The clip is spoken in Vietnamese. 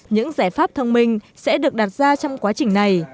những giải pháp thông minh sẽ được đặt ra trong quá trình này